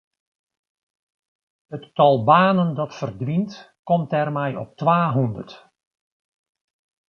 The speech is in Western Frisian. It tal banen dat ferdwynt komt dêrmei op twahûndert.